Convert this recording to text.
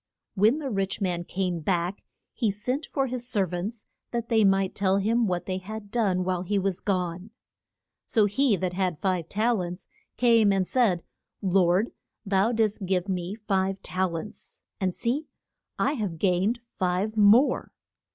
When the rich man came back he sent for his ser vants that they might tell him what they had done while he was gone. So he that had had five tal ents came and said, Lord, thou didst give me five tal ents, and see I have gained five more.